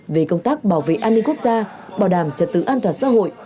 về công tác bảo vệ an ninh quốc gia bảo đảm trật tự an toàn xã hội